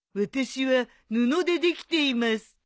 私は布でできています。